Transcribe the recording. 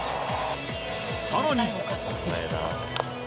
更に。